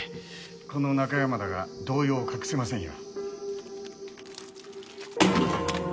この中山田が動揺を隠せませんよ。